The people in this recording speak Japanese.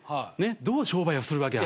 どう商売をするわけ？